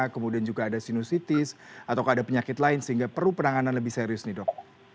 kemudian juga ada sinusitis atau ada penyakit lain sehingga perlu penanganan lebih serius nih dok